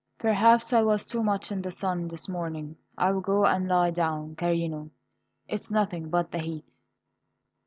"Perhaps I was too much in the sun this morning. I will go and lie down, carino; it's nothing but the heat."